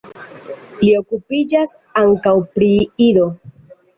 Li okupiĝas ankaŭ pri Ido.